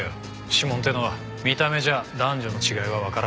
指紋ってのは見た目じゃ男女の違いはわからない。